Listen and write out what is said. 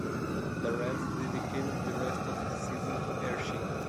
The Reds dedicated the rest of the season to Hershie.